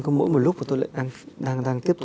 cảm xúc mà khi chúng tôi đến